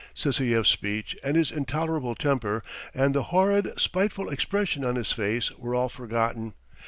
Sysoev's speech and his intolerable temper and the horrid, spiteful expression on his face were all forgotten.